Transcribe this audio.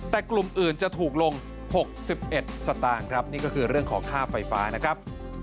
แต่กลุ่มอื่นจะถูกลง๖๑สตางค์ครับนี่ก็คือเรื่องของค่าไฟฟ้านะครับ